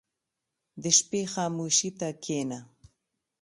• د شپې خاموشي ته کښېنه.